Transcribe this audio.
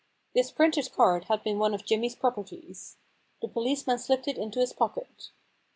This printed card had been one of Jimmy's pro perties. The policeman slipped it into his pocket.